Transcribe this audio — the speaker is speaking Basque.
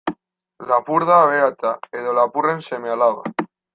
Lapur da aberatsa, edo lapurren seme-alaba.